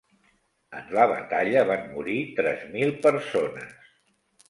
En la batalla van morir tres mil persones.